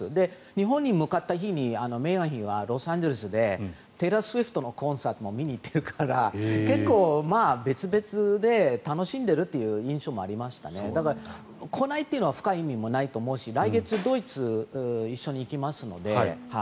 日本に向かった日にメーガン妃はロサンゼルスでテイラー・スウィフトのコンサートを見に行っているから結構別々で楽しんでいるという印象もありましたね。来ないというのは深い意味もないと思うし来月、ドイツに一緒に行きますので。